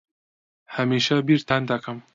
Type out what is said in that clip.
ھەمیشە بیرتان دەکەم.